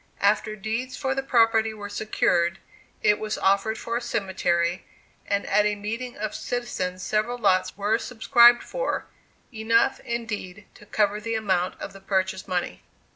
After deeds for the property were secured, it was offered for a cemetery, and at a meeting of citizens several lots were subscribed for, enough, indeed, to cover the amount of the purchase money.